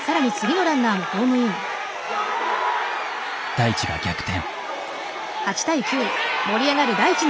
大智が逆転。